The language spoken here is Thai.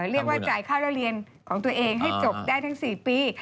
เรียกว่าจ่ายค่าเล่าเรียนของตัวเองให้จบได้ทั้ง๔ปี